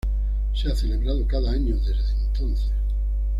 Se ha celebrado cada año desde entonces.